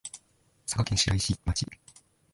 佐賀県白石町